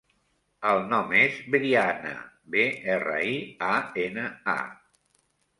El nom és Briana: be, erra, i, a, ena, a.